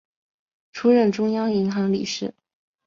出任中央银行理事。